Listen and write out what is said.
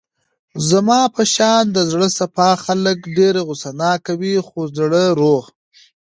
زما په شان د زړه صاف خلګ ډېر غوسه ناکه وي خو زړه روغ.